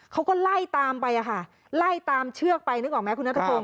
เขาก็ไล่ตามไปอะค่ะไล่ตามเชือกไปนึกออกไหมคุณนัทพงศ